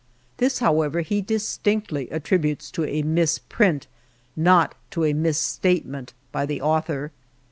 This, however, he distinctly attributes to a mis print, not to a misstatement by the author.